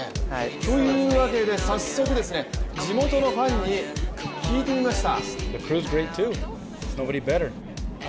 というわけで早速、地元のファンに聞いてみました。